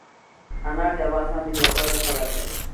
انار د افغانستان د هیوادوالو لپاره ویاړ دی.